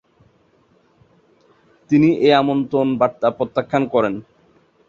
তিনি এ আমন্ত্রণ বার্তা প্রত্যাখ্যান করেন।